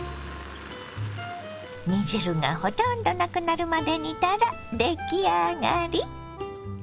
煮汁がほとんどなくなるまで煮たら出来上がり。